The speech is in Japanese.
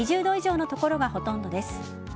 ２０度以上の所がほとんどです。